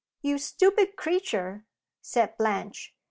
"You stupid creature!" said Blanche.